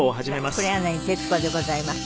黒柳徹子でございます。